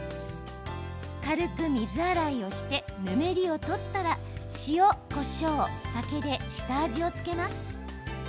軽く水洗いをしてぬめりを取ったら塩、こしょう、酒で下味を付けます。